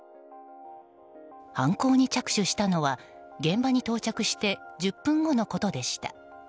犯行に着手したのは現場に到着して１０分後のことでした。